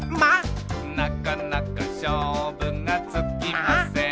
「なかなかしょうぶがつきません」